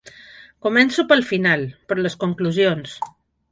Començo pel final, per les conclusions.